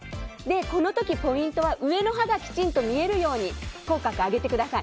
この時ポイントは上の歯がきちんと見えるように口角を上げてください。